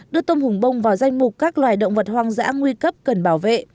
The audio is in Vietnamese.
đưa tôm hùm bông vào danh mục các loài động vật hoang dã nguy cấp cần bảo vệ